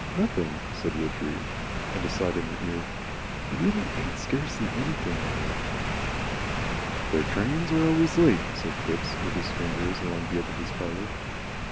"Nothing," said Widgery, and aside in her ear: "You really ate scarcely anything, you know." "Their trains are always late," said Phipps, with his fingers along the edge of his collar.